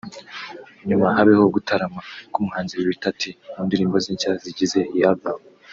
nyuma habeho gutarama kw’umuhanzi R Tuty mu ndirimbo ze nshya zigize iyi album